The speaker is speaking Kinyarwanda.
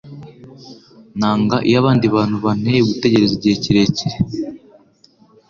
Nanga iyo abandi bantu banteye gutegereza igihe kirekire.